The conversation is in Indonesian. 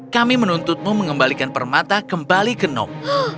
kami menuntutmu mengembalikan permata kembali ke nok